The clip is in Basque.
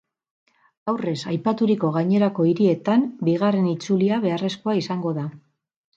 Aurrez aipaturiko gainerako hirietan, bigarren itzulia beharrezkoa izango da.